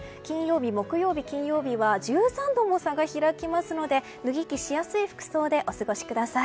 木曜日、金曜日は１３度も差が開きますので脱ぎ着しやすい服装でお過ごしください。